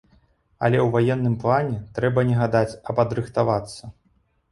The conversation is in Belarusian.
Але ў ваенным плане трэба не гадаць, а падрыхтавацца.